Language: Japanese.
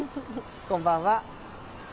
こんばんは。